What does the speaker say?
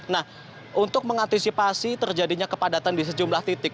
nah untuk mengantisipasi terjadinya kepadatan di sejumlah titik